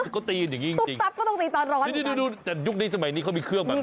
ก็ตีอย่างงี้จริงจริงตุ๊บตับก็ต้องตีตอนร้อนดูแต่ยุคนี้สมัยนี้เขามีเครื่องแบบนี้